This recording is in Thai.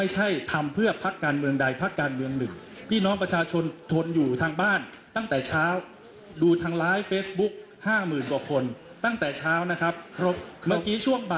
เห็นด้วยครับ